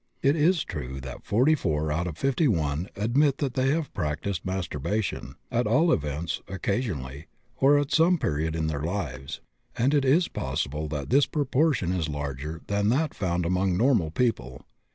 It is true that 44 out of 51 admit that they have practised masturbation, at all events, occasionally, or at some period in their lives, and it is possible that this proportion is larger than that found among normal people.